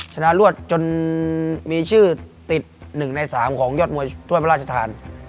ชนะรวดจนมีชื่อติด๑ใน๓ของยอดมวยถ้วยพระราชทาน